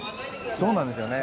そうなんですよね。